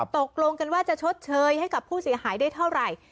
ตกลงกันว่าจะชดเชยให้กับผู้เสียหายได้เท่าไหร่